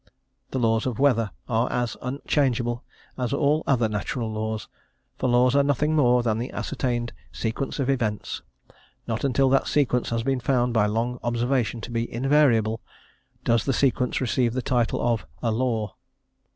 The laws of weather are as unchangeable as all other natural laws, for laws are nothing more than the ascertained sequence of events; not until that sequence has been found by long observation to be invariable, does the sequence receive the title of "a law."